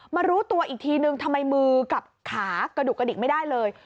รู้ตัวอีกทีนึงทำไมมือกับขากระดูกกระดิกไม่ได้เลย